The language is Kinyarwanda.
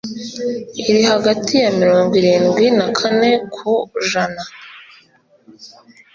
iri hagati ya mirongwirindwi nakane kujana